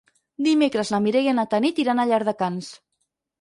Dimecres na Mireia i na Tanit iran a Llardecans.